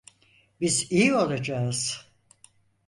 Biz iyi olacağız.